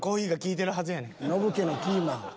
ノブ家のキーマ。